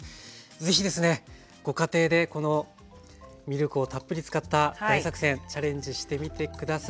是非ですねご家庭でこのミルクをたっぷり使った大作戦チャレンジしてみて下さい。